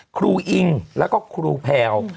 ครูอิงแล้วก็ครูแผลว์